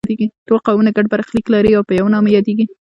ټول قومونه ګډ برخلیک لري او په یوه نامه یادیږي.